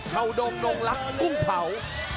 หาดงนงลักกุ้งเผา